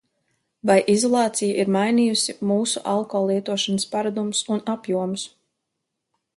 Vai izolācija ir mainījusi mūsu alko lietošanas paradumus un apjomus?